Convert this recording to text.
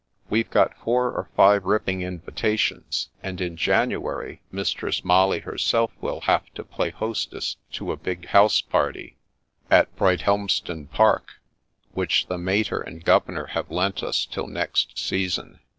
We've got four or five ripping invitations, and in January Mis tress Molly herself will have to play hostess to a big house party, at Brighthelmston Park, which the mater and governor have lent us till next season."